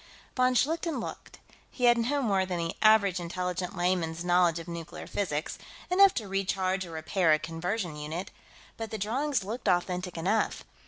Von Schlichten looked. He had no more than the average intelligent layman's knowledge of nuclear physics enough to recharge or repair a conversion unit but the drawings looked authentic enough.